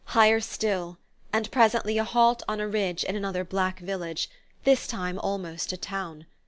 Higher still ... and presently a halt on a ridge, in another "black village," this time almost a town!